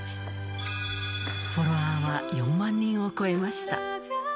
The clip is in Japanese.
フォロワーは４万人を超えました。